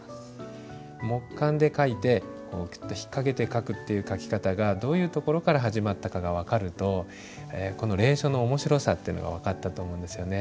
木簡で書いてクッと引っ掛けて書くっていう書き方がどういうところから始まったかが分かると隷書の面白さっていうのが分かったと思うんですよね。